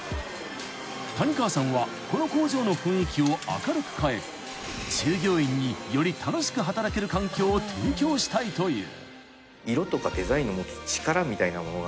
［谷川さんはこの工場の雰囲気を明るく変え従業員により楽しく働ける環境を提供したいという］